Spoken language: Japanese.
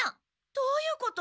どういうこと？